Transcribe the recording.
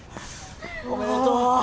おめでとう。